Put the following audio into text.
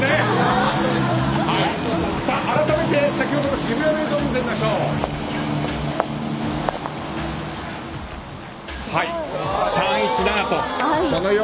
改めて先ほどの渋谷の映像を見てみましょう。